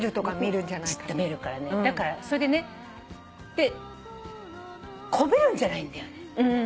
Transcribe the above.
それでねこびるんじゃないんだよね。